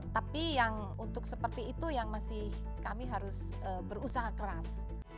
tapi yang untuk seperti itu yang masih kami harus berusaha keras